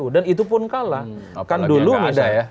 dan itu pun kalah